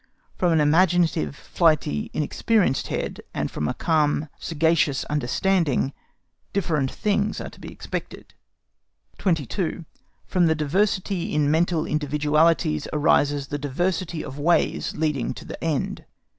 From an imaginative, flighty, inexperienced head, and from a calm, sagacious understanding, different things are to be expected. 22. FROM THE DIVERSITY IN MENTAL INDIVIDUALITIES ARISES THE DIVERSITY OF WAYS LEADING TO THE END.